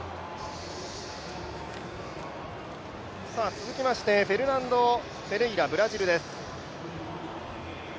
続きましてフェルナンド・フェレイラ、ブラジルです。